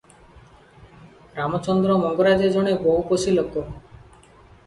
ରାମଚନ୍ଦ୍ର ମଙ୍ଗରାଜେ ଜଣେ ବହୁପୋଷୀ ଲୋକ ।